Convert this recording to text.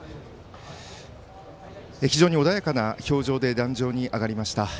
非常に穏やかな表情で壇上に上がりました。